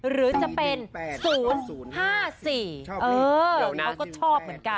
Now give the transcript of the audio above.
หรือจะเป็น๐๕๔เขาก็ชอบเหมือนกัน